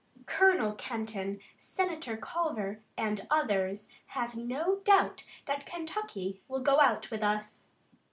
Colonel Kenton, Senator Culver and others, have no doubt that Kentucky will go out with us.